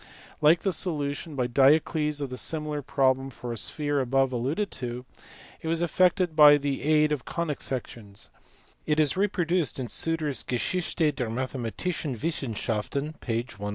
Like the solution by Diocles of the similar problem for a sphere above alluded to, it was effected by the aid of conic sections : it is reproduced in Suter s Geschichte der mathematischen Wissenschaften (p. 101).